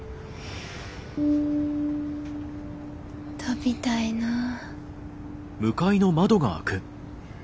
飛びたいなぁ。